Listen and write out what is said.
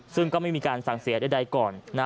ซึ่งก็ไม่มีการสั่งเสียใดก่อนนะ